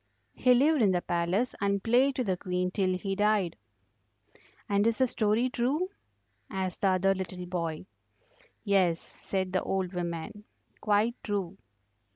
"He lived in the palace and played to the Queen till he died." "And is the story true?" asked the other little boy. "Yes," said the old woman, "quite true."